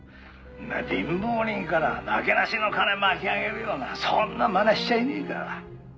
「貧乏人からなけなしの金巻き上げるようなそんなまねしちゃいねえから」